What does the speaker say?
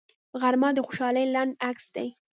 غرمه د خوشحالۍ لنډ عکس دی